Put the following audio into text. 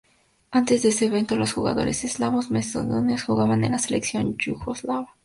Antes de ese evento, los jugadores eslavos macedonios jugaban en la selección yugoslava.